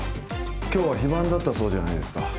今日は非番だったそうじゃないですか